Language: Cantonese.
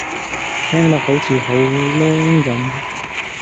聽落好似好娘噉